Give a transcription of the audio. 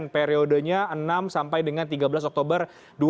periodenya enam sampai dengan tiga belas oktober dua ribu dua puluh